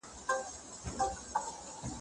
سپوږمۍ د شپې تياره روښانه کوي.